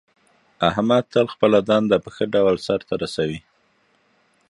احمد تل خپله دنده په ښه ډول سرته رسوي.